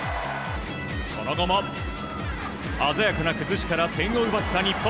その後も鮮やかな崩しから点を奪った日本。